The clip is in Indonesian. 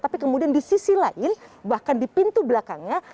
tapi kemudian di sisi lain bahkan di pintu belakangnya